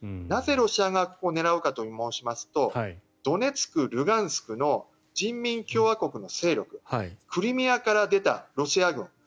なぜ、ロシア側がここを狙うかと申しますとドネツク、ルガンスクの人民共和国の勢力クリミアから出たロシア軍